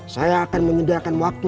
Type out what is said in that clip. saya akan menyediakan waktu